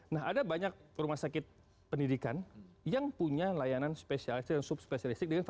nah ada banyak rumah sakit pendidikan yang punya layanan spesialisasi dan subspesialistik dengan fas